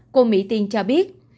cô mỹ tiên cho biết